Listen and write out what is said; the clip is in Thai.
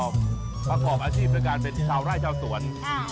ประกอบอาชีพด้วยการเป็นชาวไร่ชาวสวน